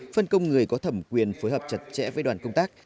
phân công người có thẩm quyền phối hợp chặt chẽ với đoàn công tác